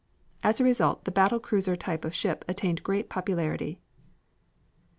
As a result the battle cruiser type of ship attained great popularity.